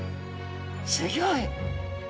すギョい。